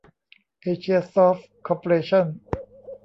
เอเชียซอฟท์ คอร์ปอเรชั่น